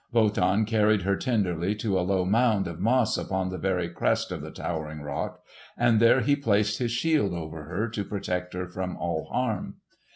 Wotan carried her tenderly to a low mound of moss upon the very crest of the towering rock, and there he placed his shield over her to protect her from all harm.